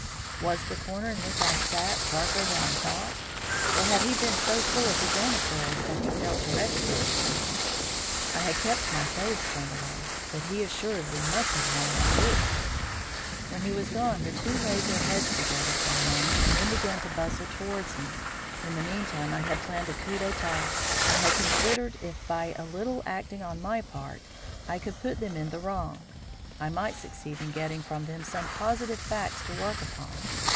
Was the corner in which I sat darker than I thought, or had he been so full of his own affairs that he failed to recognise me? I had kept my face turned away, but he assuredly must have known my figure. When he was gone the two laid their heads together for a moment, then began to bustle towards me. In the meantime I had planned a coup d'etat. I had considered if, by a little acting on my part, I could put them in the wrong, I might succeed in getting from them some positive facts to work upon.